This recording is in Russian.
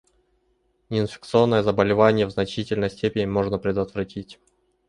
Неинфекционные заболевания в значительной степени можно предотвратить.